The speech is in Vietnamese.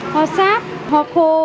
hoa sát hoa khô